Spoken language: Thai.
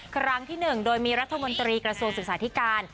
ครั้งที่๑โดยมีรัฐมนตรีกระทรวงศึกษาธิการ